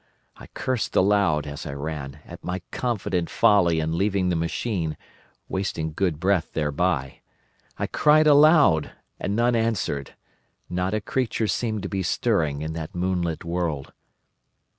I cursed aloud, as I ran, at my confident folly in leaving the machine, wasting good breath thereby. I cried aloud, and none answered. Not a creature seemed to be stirring in that moonlit world.